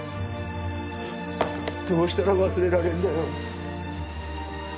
どうしたら忘れられんだよ。